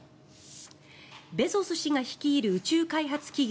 ベゾス氏が率いる宇宙開発企業